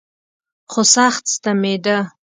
خو سخت ستمېده.